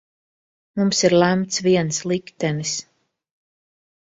Mums ir lemts viens liktenis.